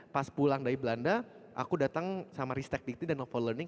pas pulang dari belanda aku datang sama ristek dikti dan novo learning